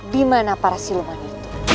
dimana para siluman itu